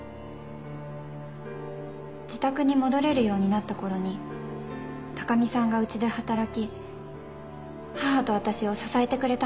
自宅に戻れるようになったころに高見さんがうちで働き母と私を支えてくれたんです。